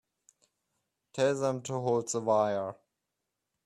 Tell them to hold the wire.